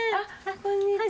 こんにちは。